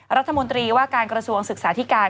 รัฐมนตรีว่าการกระทรวงศึกษาธิการ